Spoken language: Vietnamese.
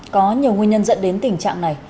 có nhiều nguyên nhân dẫn đến tình trạng này